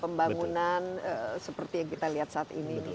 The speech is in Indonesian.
pembangunan seperti yang kita lihat saat ini